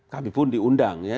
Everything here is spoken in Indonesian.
kami pun diundang ya